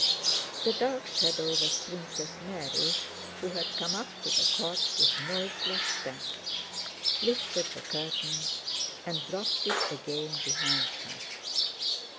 The dark shadow was Princess Mary, who had come up to the cot with noiseless steps, lifted the curtain, and dropped it again behind her.